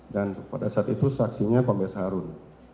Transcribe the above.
dan pada saat itu saksinya pembes harun